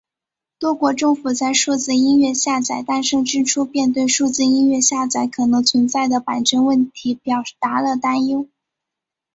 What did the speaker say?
多国政府在数字音乐下载诞生之初便对于数字音乐下载可能存在的版权问题表达了担忧。